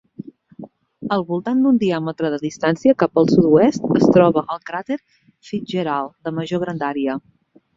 Al voltant d'un diàmetre de distància cap al sud-oest es troba el cràter Fitzgerald, de major grandària.